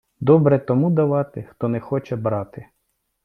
Добре тому давати, хто не хоче брати.